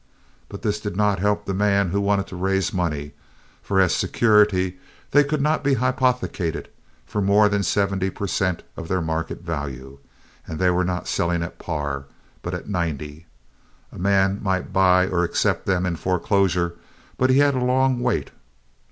But this did not help the man who wanted to raise money, for as security they could not be hypothecated for more than seventy per cent. of their market value, and they were not selling at par, but at ninety. A man might buy or accept them in foreclosure, but he had a long wait.